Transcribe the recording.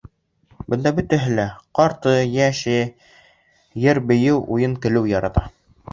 Бында бөтәһе лә, ҡарты, йәше, йыр-бейеү, уйын-көлкө ярата.